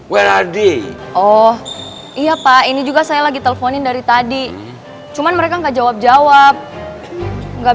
where are they oh iya pak ini juga saya lagi teleponin dari tadi cuman mereka enggak jawab jawab nggak